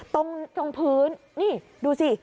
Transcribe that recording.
ตรงพื้นนี่ดูสิ